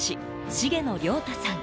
滋野亮太さん。